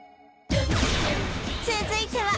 続いては